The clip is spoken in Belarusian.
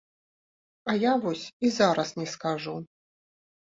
А я вось і зараз не скажу.